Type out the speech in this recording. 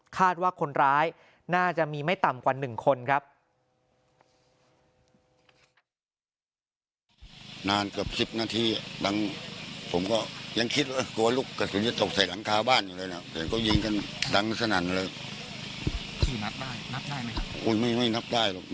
คาดว่าคนร้ายน่าจะมีไม่ต่ำกว่า๑คนครับ